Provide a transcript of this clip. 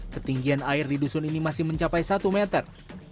ketinggian air di dusun ini masih mencapai satu meter